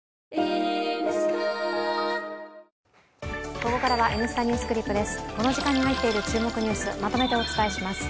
ここからは「Ｎスタ・ＮｅｗｓＣｌｉｐ」です。